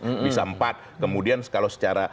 bisa empat kemudian kalau secara